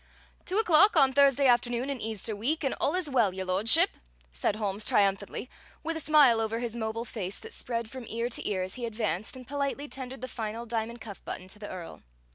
"Two o'clock on Thursday afternoon in Easter week and all is well, Your Lordship!" said Holmes triumphantly, with a smile over his mobile face that spread from ear to ear as he advanced and politely tendered the final diamond cuff button to the Earl.